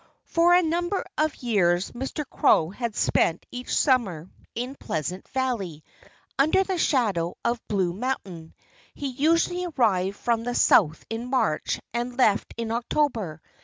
For a number of years Mr. Crow had spent each summer in Pleasant Valley, under the shadow of Blue Mountain. He usually arrived from the South in March and left in October.